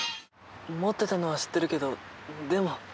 持ってたのは知ってるけどでも。